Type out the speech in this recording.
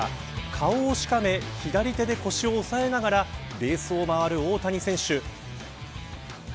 顔をしかめ左手で腰を押さえながらベースをまわる大谷選手。